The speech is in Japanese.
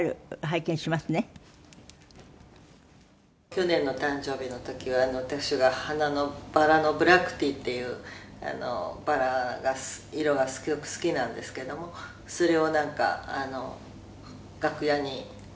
「去年の誕生日の時は私が花のバラのブラックティっていうバラが色がすごく好きなんですけれどもそれをなんか楽屋に買ってきてくれて」